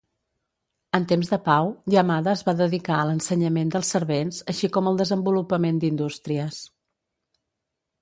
En temps de pau, Yamada es va dedicar a l'ensenyament dels servents així com al desenvolupament d'indústries.